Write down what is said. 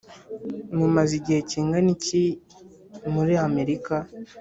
mumaze igihe kingana iki muri amerika?